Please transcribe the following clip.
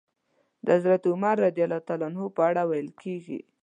د حضرت عمر رض په اړه ويل کېږي.